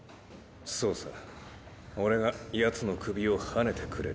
そうさ俺がヤツの首をはねてくれる。